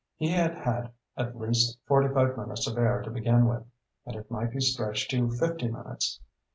He had had at least forty five minutes of air to begin with, and it might be stretched to fifty minutes.